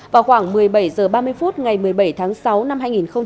vào khoảng một mươi bảy h ba mươi phút ngày một mươi bảy tháng sáu năm hai nghìn hai mươi ba